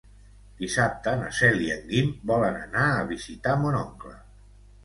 Dissabte na Cel i en Guim volen anar a visitar mon oncle.